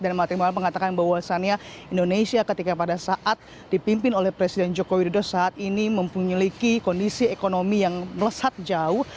dan mahathir muhammad mengatakan bahwasannya indonesia ketika pada saat dipimpin oleh presiden joko widodo saat ini mempunyai kondisi ekonomi yang melesat jauh